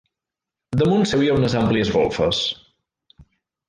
Damunt seu hi ha unes àmplies golfes.